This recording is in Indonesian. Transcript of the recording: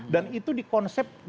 dan itu dikonsepkan